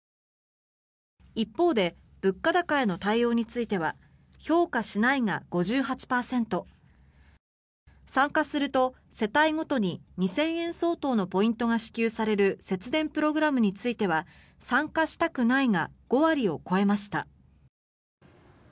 一方で物価高への対応については評価しないが５８％参加すると世帯ごとに２０００円相当のポイントが支給される節電プログラムについては参加したくないが５割を超えました。